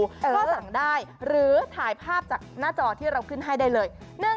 ก็สั่งได้หรือถ่ายภาพจากหน้าจอที่เราขึ้นให้ได้เลย